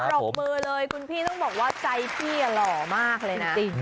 รบมือเลยคุณพี่ต้องบอกว่าใจพี่หล่อมากเลยนะ